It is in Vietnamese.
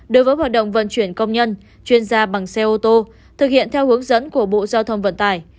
đối với hoạt động vận chuyển công nhân chuyên gia bằng xe ô tô thực hiện theo hướng dẫn của bộ giao thông vận tải